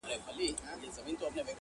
هيڅوک نه وايي چي زما د غړکي خوند بد دئ.